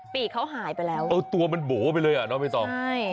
ปีกเขาหายไปแล้วเออตัวมันโบ๋ไปเลยอ่ะเนาะไม่ต้องใช่